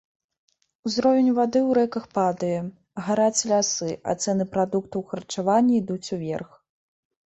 Узровень вады ў рэках падае, гараць лясы, а цэны прадуктаў харчавання ідуць уверх.